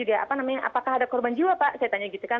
apakah ada korban jiwa pak saya tanya gitu kan